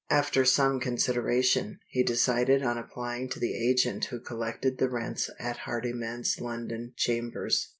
After some consideration, he decided on applying to the agent who collected the rents at Hardyman's London chambers.